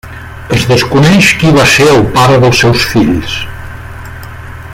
Es desconeix qui va ser el pare dels seus fills.